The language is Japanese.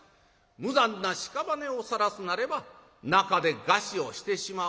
無残なしかばねをさらすなれば中で餓死をしてしまおう。